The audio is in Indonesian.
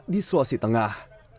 di sulawesi tengah